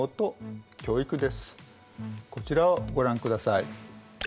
こちらをご覧ください。